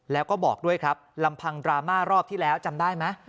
แล้วก็บอกด้วยครับลำพังดราม่ารอบที่แล้วจำได้ไหม